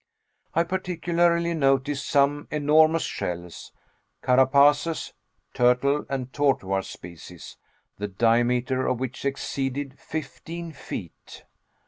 I particularly noticed some enormous shells carapaces (turtle and tortoise species) the diameter of which exceeded fifteen feet.